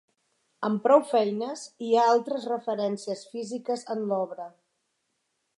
Amb prou feines, hi ha altres referències físiques en l'obra.